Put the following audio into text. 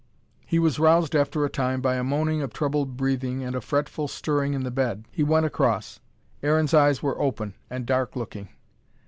He was roused after a time by a moaning of troubled breathing and a fretful stirring in the bed. He went across. Aaron's eyes were open, and dark looking.